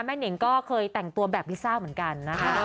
แม่หนิงก็เคยแต่งตัวแบบวิซาวเหมือนกัน